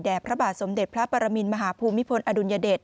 พระบาทสมเด็จพระปรมินมหาภูมิพลอดุลยเดช